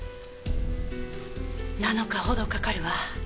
７日ほどかかるわ。